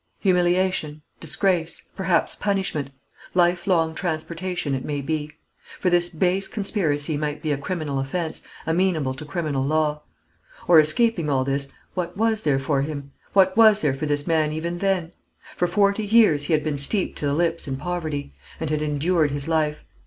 Humiliation, disgrace, perhaps punishment, life long transportation, it may be; for this base conspiracy might be a criminal offence, amenable to criminal law. Or, escaping all this, what was there for him? What was there for this man even then? For forty years he had been steeped to the lips in poverty, and had endured his life.